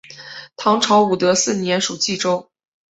唐朝武德四年属济州。